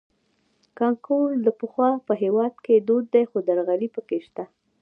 کانکور له پخوا په هېواد کې دود دی خو درغلۍ پکې شته